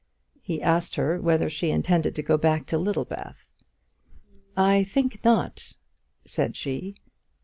He asked her whether she intended to go back to Littlebath. "I think not," said she.